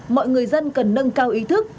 mọi người dân cần nâng cao ý thức